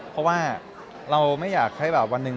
เพราะว่าเราไม่อยากให้แบบวันหนึ่ง